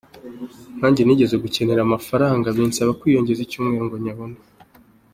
Nkanjye nigeze gukenera amafaranga binsaba kwiyongeza icyumweru ngo nyabone.